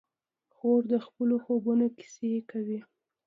خور د خپلو خوبونو کیسې کوي.